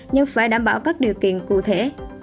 nhưng phải đảm bảo các điều kiện cụ thể